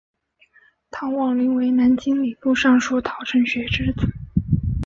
陶望龄为南京礼部尚书陶承学之子。